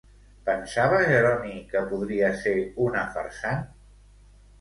Pensava Jeroni que podria ser una farsant?